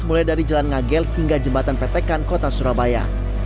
mulai dari jalan ngagel hingga jembatan petekan kota surabaya